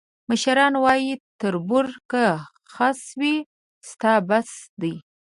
مشران وایي: تربور که خس وي، ستا بس دی.